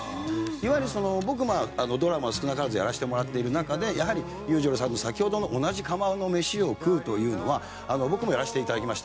いわゆる僕もドラマを少なからずやらせてもらっている中でやはり裕次郎さんの先ほどの「同じ釜の飯を食う」というのは僕もやらせて頂きました。